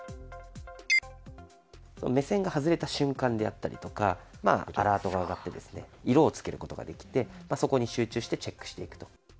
目線が外れた瞬間であったりとかアラートがあがってですね色を付けることができてそこに集中してチェックしていくと。